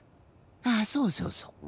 あそうそうそう。